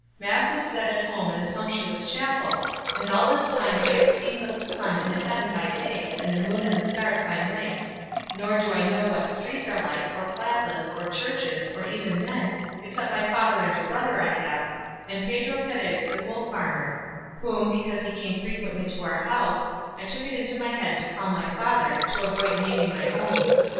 Mass is said at home in a sumptuous chapel, and all this time I have seen but the sun in the heaven by day, and the moon and the stars by night; nor do I know what streets are like, or plazas, or churches, or even men, except my father and a brother I have, and Pedro Perez the wool farmer; whom, because he came frequently to our house, I took it into my head to call my father, to avoid naming my own.